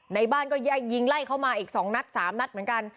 ในบ้านก็ยิงไล่เข้ามาอีกสองนัดสามนัดเหมือนกัน